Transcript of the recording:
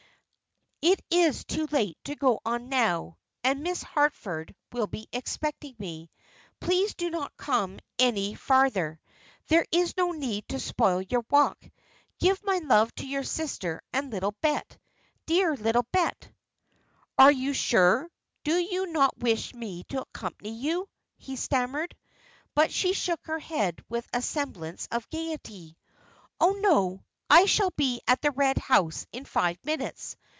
"It is too late to go on now, and Miss Harford will be expecting me. Please do not come any farther. There is no need to spoil your walk. Give my love to your sister and little Bet dear little Bet." "Are you sure? Do you not wish me to accompany you?" he stammered; but she shook her head with a semblance of gaiety. "Oh, no. I shall be at the Red House in five minutes.